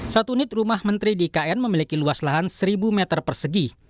satu unit rumah menteri di ikn memiliki luas lahan seribu meter persegi